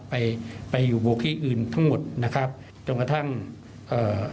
ไปไปอยู่โบกี้อื่นทั้งหมดนะครับจนกระทั่งเอ่อ